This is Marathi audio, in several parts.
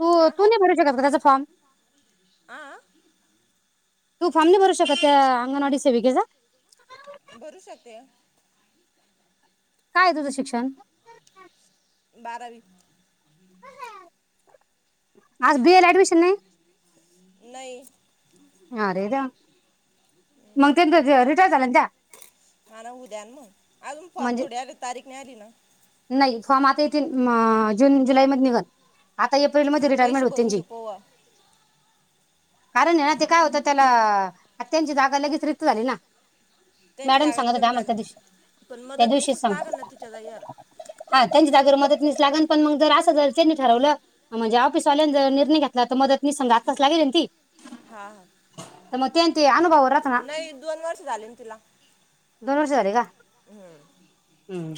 तू आ तू नाही भरू शकत का त्याचा फॉर्म आ तू फॉर्म नाही भरू शकत त्या अंगणवाडी सेविकेचा भरू शकते काय तुझं शिक्षण [unintelligible] बारावी आज बी ए ला ऍडमिशन नाही, नाही अरे देवा मग त्या रिटायर झाला ना त्या हा ना उद्या ना मग अजून फॉर्म म्हणजे थोडे आले तारीख नाही आली ना नाही फॉर्म आता येथील म आ आ जून जुलै मधी निघल एप्रिल मधी रिटायमेंट पैसे होती भरून त्यांची घेऊ पोवा कारण हे ना ते काय होत त्याला आ त्यांची जागा लगेच रिक्त झाली ना. त्यांची मॅडम जागात सांगत होत्या कमी आम्हाला त्या दिवशी झाली पण त्या दिवशीच मदतनीसच सांग लागना तिच्या जागी यार हा त्यांच्या जागेवर मदतनीस लागण पण मग जर असं जर त्यांनी ठरवलं म्हणजे ऑफिसवाल्यांनी जर निर्णय घेतला त मदतनीस संग आत्ताच लागेल ना ती हा हा तर मग ते ते अनुभवावर राहत ना नाही दोन वर्ष झाले ना तिला दोन वर्ष झाले का हम्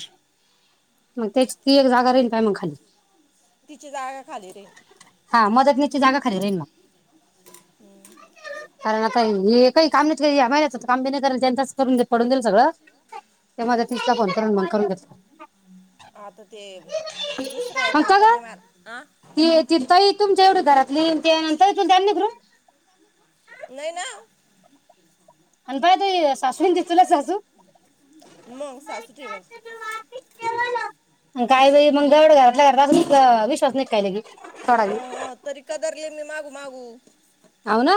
मग त्याची ती एक जागा रिकामी हाय मग खाली तिची जागा खाली रे हा मदतनीसची जागा खाली राहीन मग कारण आता हे काही काम नसलं या बायांच काम बी नाही जर त्यांचच करू देत पडून देईल सगळं त्या मदतनीसचा फोन करून मग करून घेत आता ते दुसरं अन काम का ग करणे मला आ ते ती ताई तुमच्या एवढ घरातली तेन त्यांनी तरी पण ग्रुप नाही ना अन पाय ते सासूना तूही चुलत सासू मग सासू ठेवण अन काय बाई मंग एवढं घरातल्या घरात असूनही हिचा अजून विश्वास नाही का काय लगी थोडा बी हं हं तरी कदरले मी मागून मागऊ हाव ना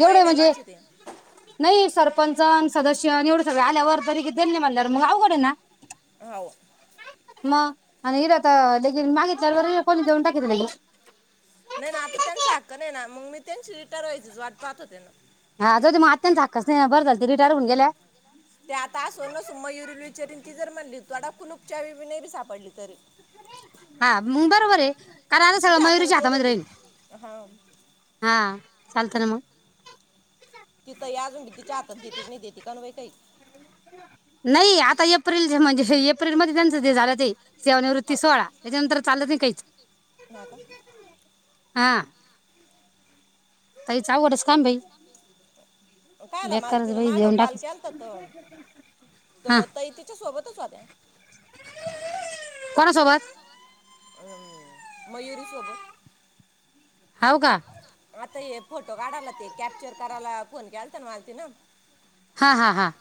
एवढं म्हणजे महिन्यालाच येते नाही सरपंच अन सदस्य आणि एवढं सगळे आल्यावर तरी बी त्यांनी म्हणल्यावर मग अवघडये ना? हाव मग अन इथं त लेगीन मागितलं तरी कोणी देऊन टाकीत लेगीज नाही ना आता त्यांचा हक्क नाही ना मग मी त्यांची रिटायर व्हायचीच वाट पहात होते ना हा जाऊ दे म आत्यांच हक्का च नाई बर झालं ते रिटायर होऊन गेल्या ते आता असो नसो मयुर यील विचारीन ती जर म्हणली तोडा कूलूप चावी विनेरी सापडली तरी हा म बरोबर हे कारन आता सगळं तिच्या हाताने मयुरीच्या हातामधे तोडून राहिन घेईल हां हा चालत ना म तिथं ए अजुनबी तिच्या हातात देते की नही देती कानु बाई काही नाही आता एप्रिल म्हणजे एप्रिल मध्ये त्यांचं जे झालं ते. हा सेवानिवृत्ती सोहळा त्याच्यानंतर चालत नाही काहीच [unintelligible] हां ताईच आवघडच काम बई कायला माल तिला माग कॉल केलता त त तई तिच्या सोबत [unintelligible] कोना सोबत? मयुरी सोबत हाव का? आता हे फोटो काढायला ते कॅप्चर करायला फोन केलता न मालती न हा हा हा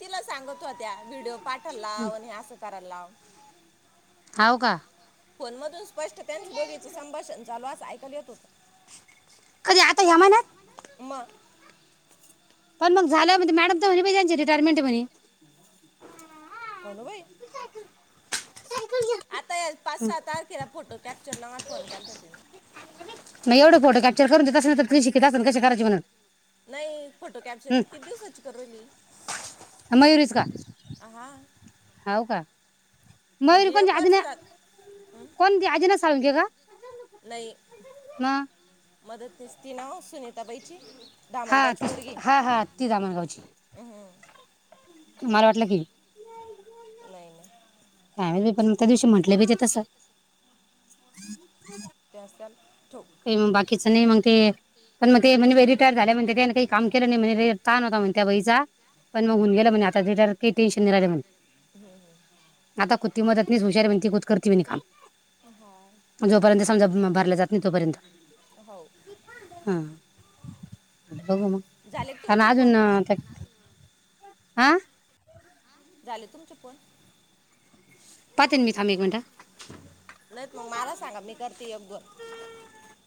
तिला सांगत होत्या व्हिडिओ पाठलाव नी आस करालाव हाव का फोनमधून स्पष्ट त्यांच्य दोघीचं संभाषण चालू आस ऐकायला येत होत. कधी आता ह्यामहिन्यात? मग पण मग झाल्यावर मंते मॅडम त म्हणे बी त्यांची रिटायरमेंट हे म्हणे. [inaudible] कोनू बाई आता या पाच सातारखेला फोटो कॅप्चर ला माला फोन केलता तिने. मग एवढे फोटो कॅप्चर करून देत असेल तर तुम्ही शिकत [inaudible] नाही फोटो कॅप्चर त किती दिवसाची करुराहीली. मयूरी च का हव का. मयूरी म्हणजे एक कोणच्या वर्ष आजीना जात हं? कोण ती आजीना साळुंके का म मदतनीस्ती नाव सुनी हा हा हा ती दामणगावची हं. मला वाटलं की नाही नाही काय माहित बाई पण त्या दिवशी म्हंटले बी ते तस त्याच त्याला काही मग बाकीच नाही मग ते पण मग ते म्हण रिटायर झाल्या म्हण त्याने काही काम केलं नाही म्हण ताण होता म्हण त्या बईचा पण मग होऊन गेल म्हणे आता डर ते टेनशन नि राही म्हणे आता कुटी मदतनिस हुशार म्हणती खुद करती म्हणे काम जोपर्यंत समजा भरलं जात नाही तोपर्यंत [inaudible] हो हा बघू मग झाले काण तुमचे अजून फोन काय आ झाले तुमचे फोन पाहते न मी थांब एक मिनिट नाहीत मग मला सांगा मी करती एक दोन